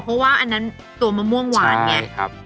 อ๋อเพราะว่าอันนั้นตัวมะม่วงหวานไงใช่ครับ